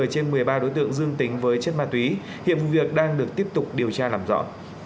trên một mươi ba đối tượng dương tính với chất ma túy hiệp vụ việc đang được tiếp tục điều tra làm rõ